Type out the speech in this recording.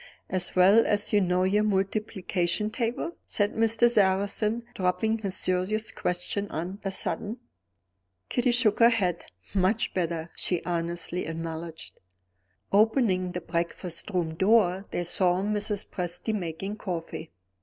"As well as you know your multiplication table?" said Mr. Sarrazin, dropping his serious questions on a sudden. Kitty shook her head. "Much better," she honestly acknowledged. Opening the breakfast room door they saw Mrs. Presty making coffee.